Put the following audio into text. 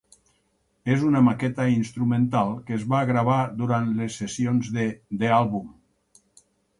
És una maqueta instrumental que es va gravar durant les sessions de "The Album".